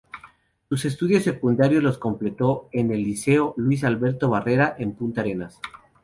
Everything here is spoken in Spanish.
Sus estudios secundarios los completo en el Liceo Luis Alberto Barrera, en Punta Arenas.